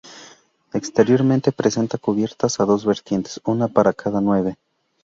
Exteriormente presenta cubiertas a dos vertientes, una para cada nave.